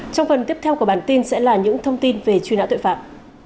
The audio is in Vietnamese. trong phần tiếp theo của bản tin sẽ là những thông tin về truy nã tội phạm